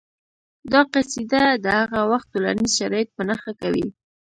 دا قصیده د هغه وخت ټولنیز شرایط په نښه کوي